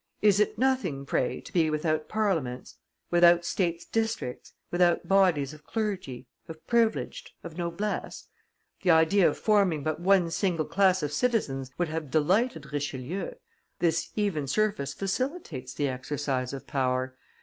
Is it nothing, pray, to be without Parliaments, without states districts, without bodies of clergy, of privileged, of noblesse? The idea of forming but one single class of citizens would have delighted Richelieu. This even surface facilitates the exercise of power.